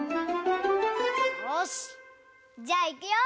よしじゃあいくよ！